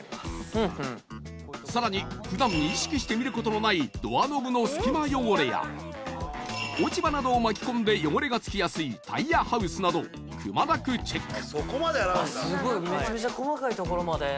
さらに普段意識して見ることのない落ち葉などを巻き込んで汚れがつきやすいタイヤハウスなどくまなくチェック